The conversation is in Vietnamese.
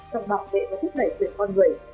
trong bảo vệ và thúc đẩy quyền con người